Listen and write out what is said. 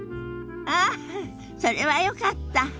ああそれはよかった。